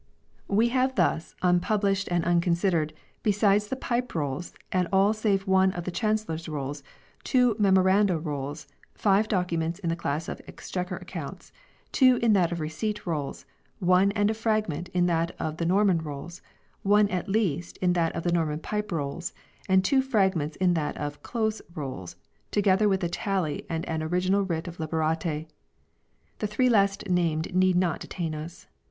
^ e have thus ' un P ubnsned and unconsidered, besides the Pipe Rolls and all save one of the Chancellor's Rolls, two Memoranda Rolls, five docu ments in the class of Exchequer Accounts, 2 two in that of Receipt Rolls, one and a fragment in that of the Norman Rolls, one at least in that of Norman Pipe Rolls, and two fragments in that of Close Rolls ; to gether with a tally and an original writ of Liberate. The three last named need not detain us.